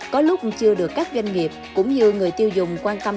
có lúc chưa được các doanh nghiệp cũng như người tiêu dùng quan tâm